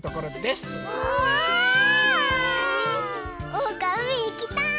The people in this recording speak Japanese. おうかうみいきたい！